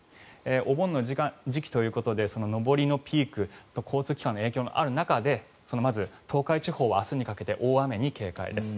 お盆の時期ということで上りのピーク交通機関の影響、ある中でまず東海地方は明日にかけて大雨に警戒です。